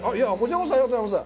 ありがとうございます。